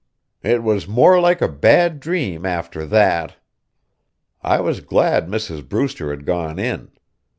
It was more like a bad dream after that. I was glad Mrs. Brewster had gone in.